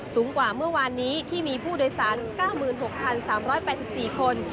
สูงกว่าเมื่อวานนี้ที่มีผู้โดยสาร๙๖๓๘๔คน